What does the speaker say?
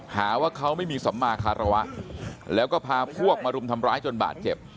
หาว่าเขาไม่มีสัมมาคารวะแล้วก็พาพวกมารุมทำร้ายจนบาดเจ็บ